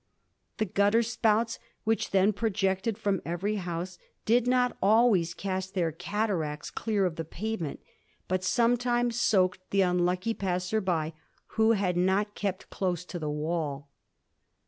The gutter spouts which then projected fi'om every house did not always cast their cataracts clear of the pavement, but sometimes soaked the unlucky passer by who had not kept close to the wall.